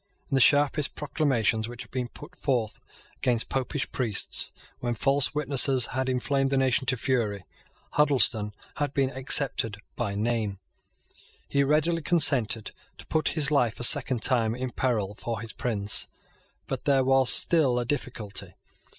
In the sharpest proclamations which had been put forth against Popish priests, when false witnesses had inflamed the nation to fury, Huddleston had been excepted by name. He readily consented to put his life a second time in peril for his prince; but there was still a difficulty.